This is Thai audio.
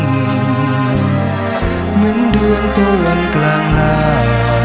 เหมือนเดือนตัววันกลางนา